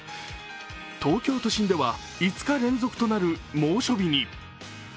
東京都心では５日連続となる猛暑日に。